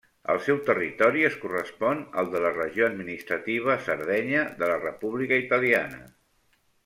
El seu territori es correspon al de la regió administrativa Sardenya de la República Italiana.